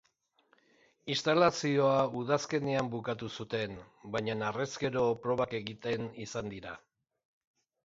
Instalazioa udazkenean bukatu zuten, baina harrezkero probak egiten izan dira.